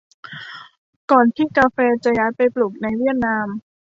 ก่อนที่กาแฟจะย้ายไปปลูกในเวียดนาม